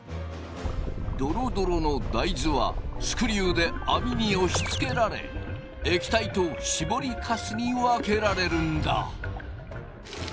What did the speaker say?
ドロドロの大豆はスクリューで網に押しつけられ液体としぼりかすに分けられるんだ。